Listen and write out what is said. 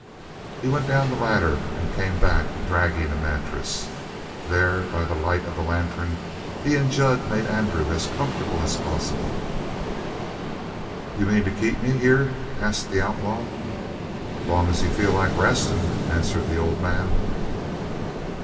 He went down the ladder and came back dragging a mattress. There, by the light of a lantern, he and Jud made Andrew as comfortable as possible. "You mean to keep me here?" asked the outlaw. "Long as you feel like restin'," answered the old man.